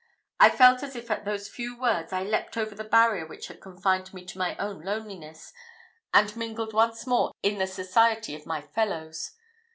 I felt as if at those few words I leapt over the barrier which had confined me to my own loneliness, and mingled once more in the society of my fellows.